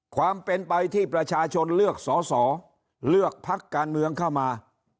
ความเป็นไปที่ประชาชนเลือกสอสอเลือกพักการเมืองเข้ามา